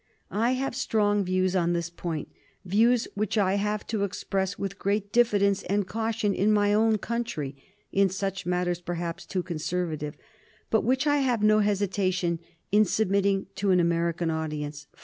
I have strong views on this point — views which I have to express with great diffidence and caution in my own country {in such matters, perhaps, too conservative), but which I have no hesitation in submitting to an American audience.